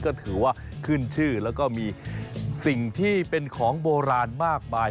ก็ถือว่าขึ้นชื่อแล้วก็มีสิ่งที่เป็นของโบราณมากมาย